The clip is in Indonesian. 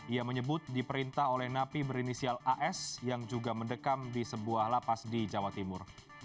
ia menyebut diperintah oleh napi berinisial as yang juga mendekam di sebuah lapas di jawa timur